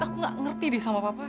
aku gak ngerti deh sama papa